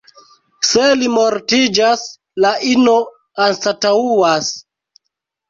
Se li mortiĝas, la ino anstataŭas.